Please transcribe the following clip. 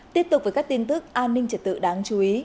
tiếp tục với các tin tức an ninh trật tự đáng chú ý